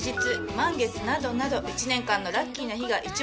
満月などなど一年間のラッキーな日が一目瞭然。